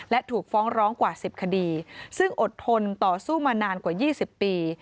และถูกฟ้องร้องกว่า๑๐คดีซึ่งอดทนต่อสู้มานานกว่า๒๐ปี